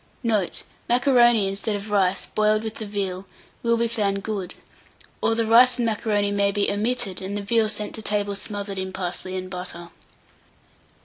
Note. Macaroni, instead of rice, boiled with the veal, will be found good; or the rice and macaroni may be omitted, and the veal sent to table smothered in parsley and butter.